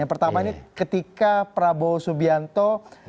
yang pertama ini ketika prabowo subianto